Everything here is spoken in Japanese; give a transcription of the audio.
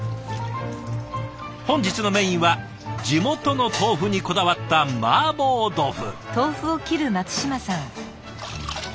本日のメインは地元の豆腐にこだわったマーボー豆腐。